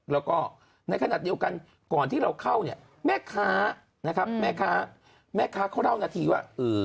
แล้วก็ในขณะเดียวกันก่อนที่เราเข้าเนี่ยแม่ค้านะครับแม่ค้าแม่ค้าเขาเล่านาทีว่า